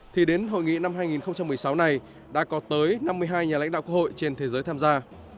thì đến hội nghị năm hai nghìn một mươi sáu này đã có tới năm mươi hai nhà lãnh đạo quốc hội trên thế giới tham gia